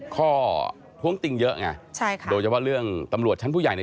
ท้วงติงเยอะไงใช่ค่ะโดยเฉพาะเรื่องตำรวจชั้นผู้ใหญ่เนี่ย